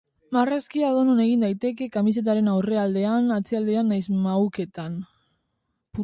Marrazkia edonon egin daiteke, kamisetaren aurrealdean, atzealdean nahiz mahuketan.